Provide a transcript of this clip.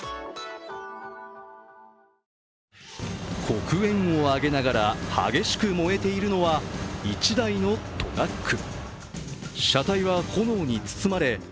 黒煙を上げながら激しく燃えているのは１台のトラック。